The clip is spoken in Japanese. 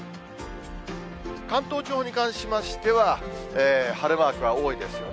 関東地方に関しましては、晴れマークが多いですよね。